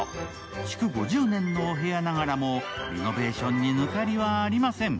築５０年のお部屋ながらもリノベーションに抜かりはありません。